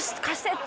って。